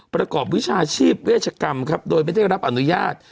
ประกอบวิชาชีพเวชกรรมครับโดยไม่ได้รับอนุญาต